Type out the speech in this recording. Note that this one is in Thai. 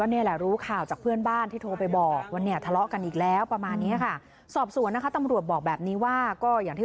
เพราะว่าเขาทะเลาะกันบ่อย